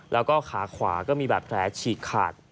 แล้วก็ขาขวาก็มีบาดแผลฉีกขาด